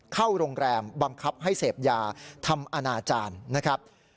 เข้าโรงแรมบังคับให้เสพยาทำอนาจารย์นะครับ